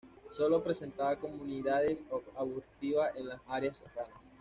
Sólo presentaba comunidades arbustivas en las áreas serranas.